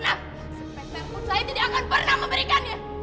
dan perut saya tidak akan pernah memberikannya